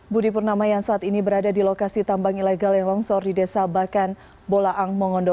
budi purnama yang saat ini berada di lokasi tambang ilegal yang longsor di desa bakan bolaang mongondo